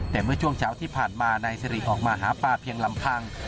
แต่เมื่อช่วงเช้าที่ผ่านมานายสิริออกมาหาปลาเพียงลำพัง